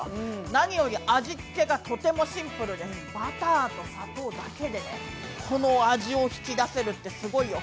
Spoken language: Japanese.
何より味がとってもシンプルでバターと砂糖だけでこの味を引き出せるってすごいよ。